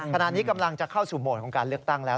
ขณะนี้กำลังจะเข้าสู่โหมดของการเลือกตั้งแล้ว